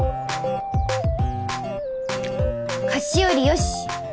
菓子折りよし。